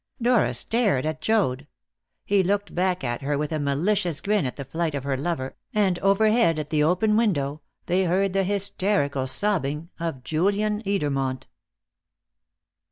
Dora stared at Joad; he looked back at her with a malicious grin at the flight of her lover, and overhead, at the open window, they heard the hysterical sobbing of Julian Edermont.